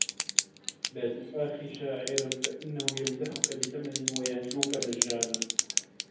لَا تُؤَاخِ شَاعِرًا فَإِنَّهُ يَمْدَحُك بِثَمَنٍ وَيَهْجُوك مَجَّانًا